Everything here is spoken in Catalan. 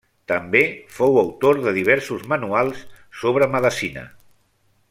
També fou autor de diversos manuals sobre medicina.